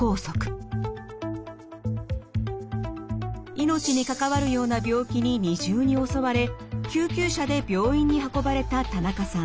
命に関わるような病気に二重に襲われ救急車で病院に運ばれた田中さん。